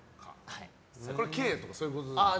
これはＫとかそういうことですか。